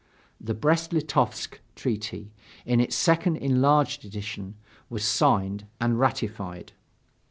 The Brest Litovsk treaty, in its second enlarged edition, was signed and ratified.